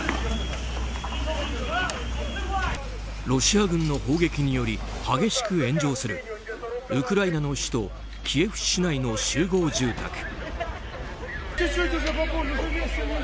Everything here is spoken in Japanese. ロシア軍の砲撃により激しく炎上するウクライナの首都キエフ市内の集合住宅。